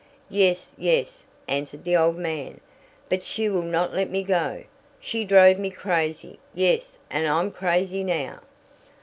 "Yes, yes," answered the old man, "but she will not let me go. She drove me crazy. Yes, and I'm crazy now."